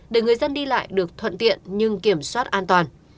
để người dân đi lại được thuận tiện nhưng kiểm soát an toàn